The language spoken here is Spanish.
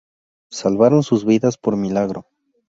Salvaron sus vidas por milagro.